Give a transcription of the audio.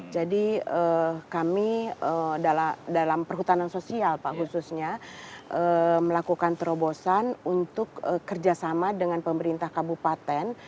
jadi kami dalam perhutanan sosial pak khususnya melakukan terobosan untuk kerjasama dengan pemerintah kabupaten